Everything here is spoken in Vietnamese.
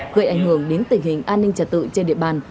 gây ảnh hưởng đến tình hình an ninh trật tự trên địa bàn